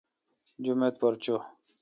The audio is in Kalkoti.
جمیت پر چو۔